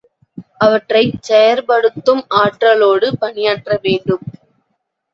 அவற்றைச் செயற்படுத்தும் ஆற்றலோடு பணியாற்றவேண்டும்.